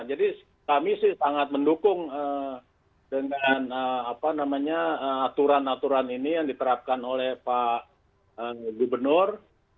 jadi kami sih sangat mendukung dengan aturan aturan ini yang diterapkan oleh pak gubernur